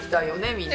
みんな。